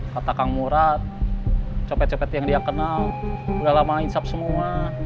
kata kang murad copet copet yang dia kenal udah lama hisap semua